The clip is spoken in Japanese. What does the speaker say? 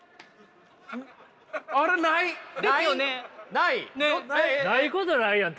ないことないやん